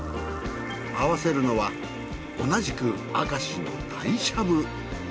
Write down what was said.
合わせるのは同じく明石の鯛しゃぶ。